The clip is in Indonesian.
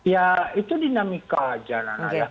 ya itu dinamika saja nana